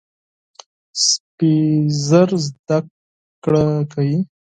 سپي ژر زده کړه کوي.